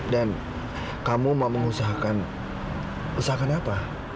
dan kamu mau mengusahakan usahakan apa